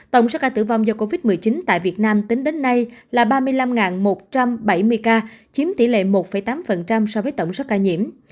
tổng số ca tử vong do covid một mươi chín tại việt nam tính đến nay là ba mươi năm một trăm bảy mươi ca chiếm tỷ lệ một tám so với tổng số ca nhiễm